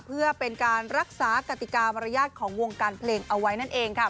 เพื่อเป็นการรักษากติกามารยาทของวงการเพลงเอาไว้นั่นเองค่ะ